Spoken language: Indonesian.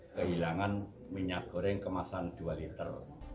kehilangan minyak goreng kemasan dua liter